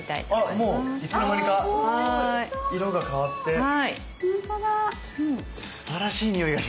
あっもういつの間にか色が変わってすばらしい匂いがします。